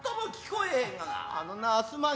あのなす